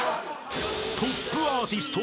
［トップアーティストあのさん